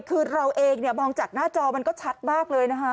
คือเราเองเนี่ยมองจากหน้าจอมันก็ชัดมากเลยนะคะ